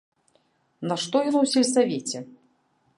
Нашто ён у сельсавеце!